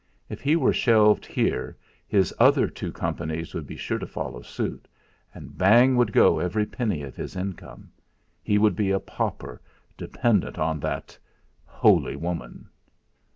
If he were shelved here his other two Companies would be sure to follow suit, and bang would go every penny of his income he would be a pauper dependant on that holy woman.